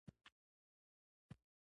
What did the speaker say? له شغنان نه تر فیض اباد پورې ډېره کرایه وه.